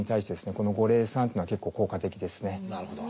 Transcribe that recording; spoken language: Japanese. この五苓散っていうのは結構効果的ですね。